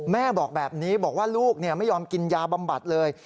แม่บอกแบบนี้บอกว่าลูกไม่ยอมกินยาบำบัดเลย